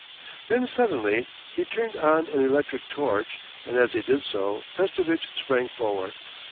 Then suddenly he turned on an electric torch, and as he did so Pestovitch sprang forward.